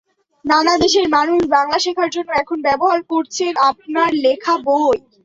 নানা দেশের মানুষ বাংলা শেখার জন্য এখন ব্যবহার করছেন আপনার লেখা বই।